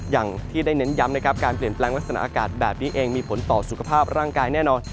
อย่างที่ได้เน้นย้ำนะครับการเปลี่ยนแปลงลักษณะอากาศแบบนี้เองมีผลต่อสุขภาพร่างกายแน่นอน